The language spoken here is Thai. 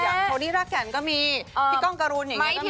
อย่างโทนี่รักแก่นก็มีพี่ก้องกระรูนอย่างเงี้ยก็มี